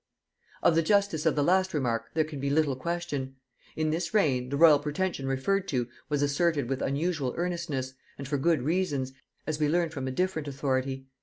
Of the justice of the last remark there can be little question. In this reign, the royal pretension referred to, was asserted with unusual earnestness, and for good reasons, as we learn from a different authority.